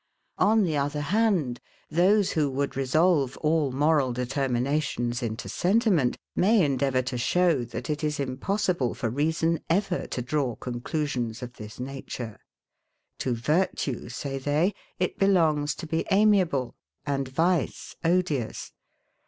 On the other hand, those who would resolve all moral determinations into sentiment, may endeavour to show, that it is impossible for reason ever to draw conclusions of this nature. To virtue, say they, it belongs to be amiable, and vice odious.